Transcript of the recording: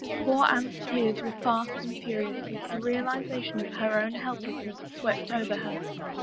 Poor Anne's tears were fast and furious as the realiza tion of her own helplessness swept over her.